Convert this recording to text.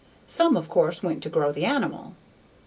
Some, of course, went to grow the animal.